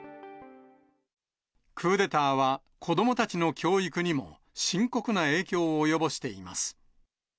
クーデターは子どもたちの教育にも深刻な影響を及ぼしています。